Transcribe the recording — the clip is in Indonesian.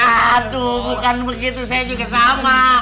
aduh bukan begitu saya juga sama